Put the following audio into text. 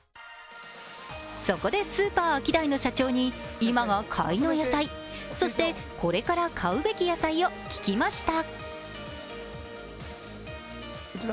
そこでスーパーアキダイの社長に今が買いの野菜、そして、これから買うべき野菜を聞きました。